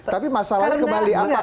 tapi masalahnya kembali apa